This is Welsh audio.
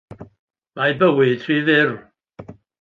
Mae bywyd rhy fyr.